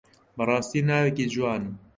بەڕاستی ناوێکی جوانە.